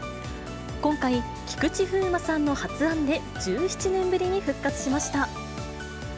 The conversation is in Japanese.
今回、菊池風磨さんの発案で、１７年ぶりに復活しました。